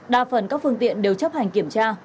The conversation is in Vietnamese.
đa phần các phương tiện đều chấp hành kiểm tra